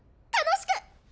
楽しく！